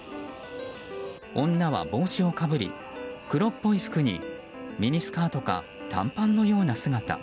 女は帽子をかぶり、黒っぽい服にミニスカートか短パンのような姿。